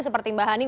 seperti mbak hani